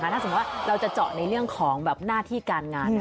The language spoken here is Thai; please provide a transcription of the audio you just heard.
ถ้าสมมุติว่าเราจะเจาะในเรื่องของหน้าที่การงาน